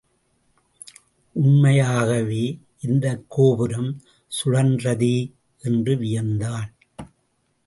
உண்மையாகவே இந்தக் கோபுரம் சுழன்றதே! என்று வியந்தான்.